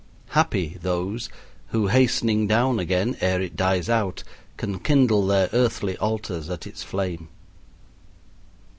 Happy those who, hastening down again ere it dies out, can kindle their earthly altars at its flame.